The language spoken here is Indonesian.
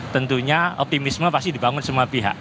tentunya optimisme pasti dibangun semua pihak